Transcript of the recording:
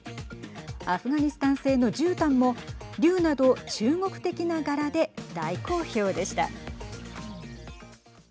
アフガニスタン製のじゅうたんも竜など中国的な柄で大好評でした。